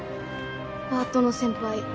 パートの先輩。